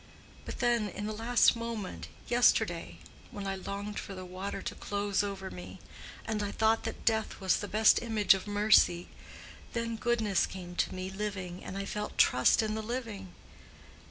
But then in the last moment—yesterday, when I longed for the water to close over me—and I thought that death was the best image of mercy—then goodness came to me living, and I felt trust in the living.